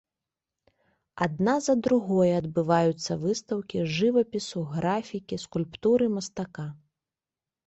Адна за другой адбываюцца выстаўкі жывапісу, графікі, скульптуры мастака.